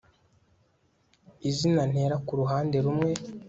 izina ntera ku ruhande rumwe